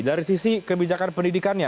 dari sisi kebijakan pendidikannya